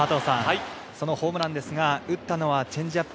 そのホームランですが、打ったのはチェンジアップ。